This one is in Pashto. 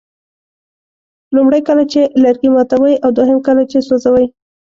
لومړی کله چې لرګي ماتوئ او دوهم کله چې سوځوئ.